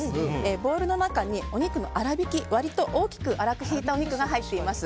ボウルの中にお肉の粗びき割と大きく粗くひいたお肉が入っています。